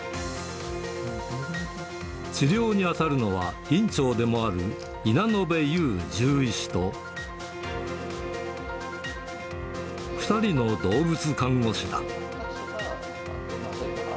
治療に当たるのは、院長でもある、稲野辺悠獣医師と、２人の動物看護士だ。